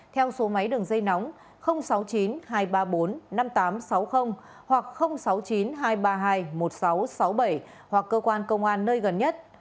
theo số máy đường dây nóng sáu mươi chín hai trăm ba mươi bốn năm nghìn tám trăm sáu mươi hoặc sáu mươi chín hai trăm ba mươi hai một nghìn sáu trăm sáu mươi bảy hoặc cơ quan công an nơi gần nhất